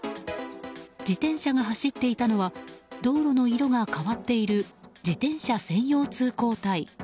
自転車が走っていたのは道路の色が変わっている自転車専用通行帯。